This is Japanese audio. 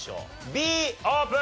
Ｂオープン！